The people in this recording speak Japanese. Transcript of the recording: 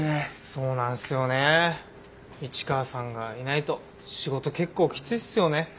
そうなんすよね市川さんがいないと仕事結構きついっすよね。